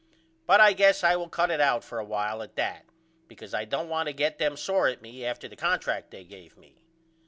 But I guess I will cut it out for a while at that because I don't want to get them sore at me after the contract they give me.